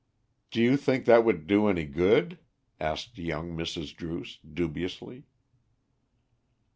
"Do you think that would do any good?" asked young Mrs. Druce, dubiously.